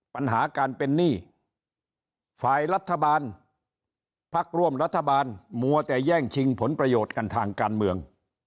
ปัญหาการเป็นหนี้ฝ่ายรัฐบาลพักร่วมรัฐบาลมัวแต่แย่งชิงผลประโยชน์กันทางการเมือง